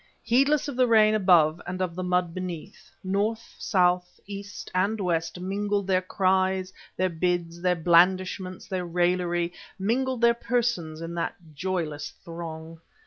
Heedless of the rain above and of the mud beneath, North, South, East, and West mingled their cries, their bids, their blandishments, their raillery, mingled their persons in that joyless throng.